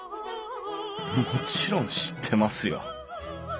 もちろん知ってますよ